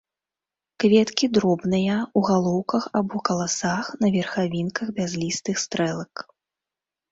Кветкі дробныя, у галоўках або каласах на верхавінках бязлістых стрэлак.